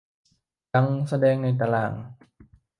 ดังแสดงในตาราง